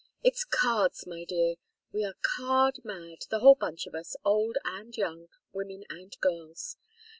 It's cards, my dear. We are card mad, the whole bunch of us, old and young, women and girls.